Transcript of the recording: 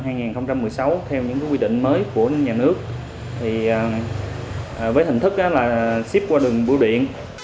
theo những quy định mới của nhà nước với hình thức là ship qua đường bùa điện